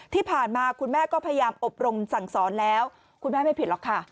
ที่ผ่านมาคุณแม่ก็พยายามอบรมสั่งสอนแล้วคุณแม่ไม่ผิดหรอกค่ะ